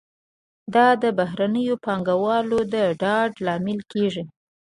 دا د بهرنیو پانګوالو د ډاډ لامل کیږي.